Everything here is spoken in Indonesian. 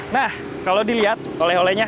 nah kalau dilihat oleh olehnya